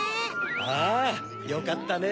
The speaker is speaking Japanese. ああよかったね。